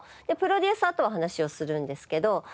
でプロデューサーとは話をするんですけど。